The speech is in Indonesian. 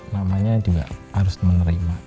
namanya juga harus menerima